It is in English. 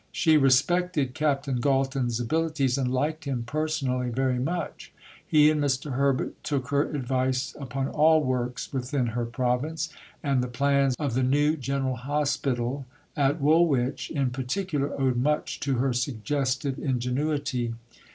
She respected Captain Galton's abilities, and liked him personally very much. He and Mr. Herbert took her advice upon all works within her province, and the plans of the new General Hospital at Woolwich in particular owed much to her suggestive ingenuity.